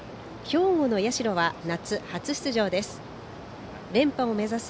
兵庫の社は夏初出場です。